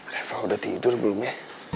eva udah tidur belum ya